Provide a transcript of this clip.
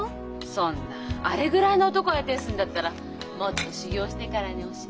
そんなあれぐらいの男相手にするんだったらもっと修行してからにおし。